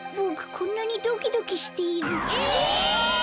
こんなにドキドキしている。えっ！？